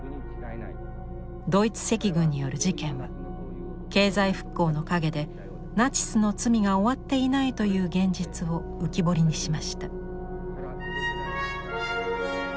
ドイツ赤軍による事件は経済復興の陰でナチスの罪が終わっていないという現実を浮き彫りにしました。